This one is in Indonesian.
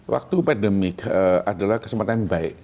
waktu pandemik adalah kesempatan yang baik